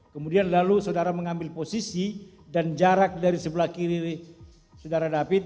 kemudian lalu saudara mengambil posisi dan jarak dari sebelah kiri saudara david